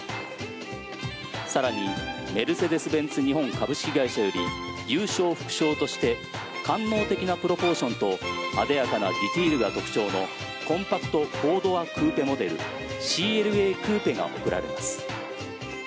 更にメルセデス・ベンツ日本株式会社より優勝副賞として官能的なプロポーションとあでやかなディテールが特徴のコンパクト４ドアクーペモデルＣＬＡクーペが贈られます。